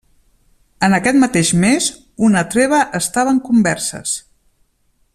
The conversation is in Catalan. En aquest mateix mes, una treva estava en converses.